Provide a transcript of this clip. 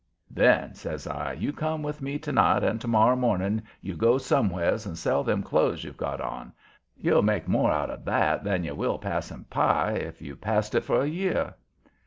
"Then," says I, "you come with me to night and to morrer morning you go somewheres and sell them clothes you've got on. You'll make more out of that than you will passing pie, if you passed it for a year."